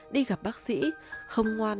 đi gặp bác sĩ không ngoan